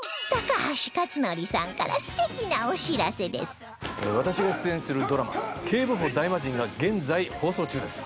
ニトリ私が出演するドラマ『警部補ダイマジン』が現在放送中です。